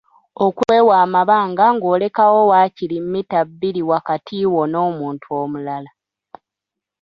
Okwewa amabanga ng’olekawo waakiri mmita bbiri wakati wo n’omuntu omulala;